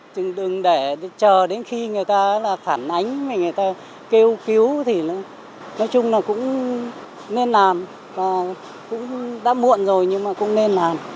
đừng để chờ đến khi người ta là phản ánh mình người ta kêu cứu thì nói chung là cũng nên làm và cũng đã muộn rồi nhưng mà cũng nên làm